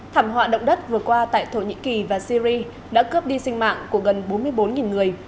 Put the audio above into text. thảm họa động đất vừa qua tại thổ nhĩ kỳ và syri đã cướp đi sinh mạng của gần bốn mươi bốn người